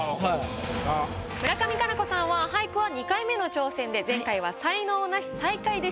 村上佳菜子さんは俳句は２回目の挑戦で前回は才能ナシ最下位でした。